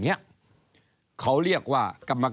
ก็จะมาจับทำเป็นพรบงบประมาณ